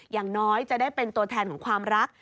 อย่างน้อยจะได้เป็นตัวแทนของความรัก